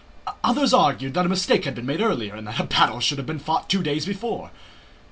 Others argued that a mistake had been made earlier and that a battle should have been fought two days before.